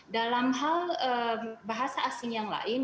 dalam hal bahasa asing yang lain